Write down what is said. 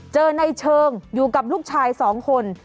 เจอในเชิงอยู่กับลูกชาย๒คน